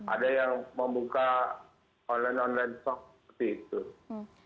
ada yang membuka online online shock seperti itu